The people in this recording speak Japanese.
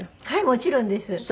はいもちろんです。